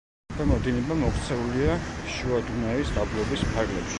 ქვემო დინება მოქცეულია შუა დუნაის დაბლობის ფარგლებში.